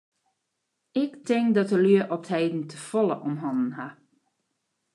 Ik tink dat de lju op 't heden te folle om hannen hawwe.